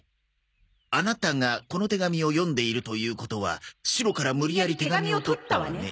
「あなたがこの手紙を読んでいるということはシロから無理やり手紙を取ったわね」